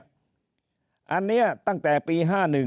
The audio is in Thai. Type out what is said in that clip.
อันนี้ตั้งแต่ปี๕๑